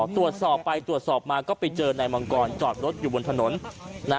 ตรวจสอบไปตรวจสอบมาก็ไปเจอนายมังกรจอดรถอยู่บนถนนนะ